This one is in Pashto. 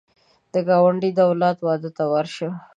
د ګاونډي د اولاد واده ته ورشه